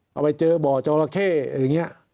เอาไปเจอบ่อจอราเข้อย่างนี้